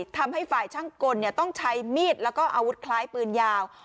ทำให้ฝ่ายช่างกลต้องใช้มีดแล้วก็อาวุธคล้ายปืนยาว